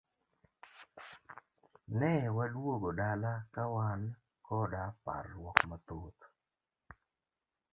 Ne waduogo dala kawan koda parruok mathoth.